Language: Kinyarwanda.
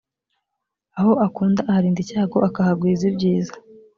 aho akunda aharinda icyago akahagwiza ibyiza